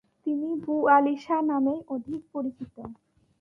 তিনি বু আলী শাহ নামেই অধিক পরিচিত।